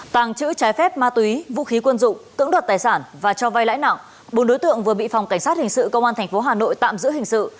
tàng trữ trái phép ma túy vũ khí quân dụng cưỡng đoạt tài sản và cho vai lãi nặng bốn đối tượng vừa bị phòng cảnh sát hình sự công an tp hà nội tạm giữ hình sự